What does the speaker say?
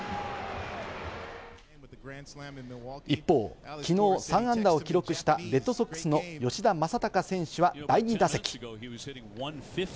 一方、昨日３安打を記録したレッドソックスの吉田正尚選手は第２打席。